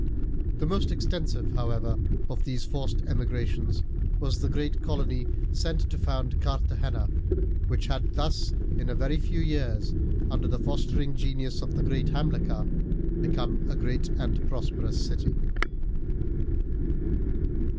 The most extensive, however, of these forced emigrations was the great colony sent to found Carthagena, which had thus in a very few years, under the fostering genius of the great Hamilcar, become a great and prosperous city.